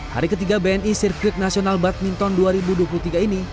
hari ketiga bni sirkuit nasional badminton dua ribu dua puluh tiga ini